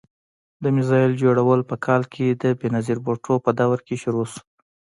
د میزایل جوړول په کال کې د بېنظیر بوټو په دور کې شروع شو.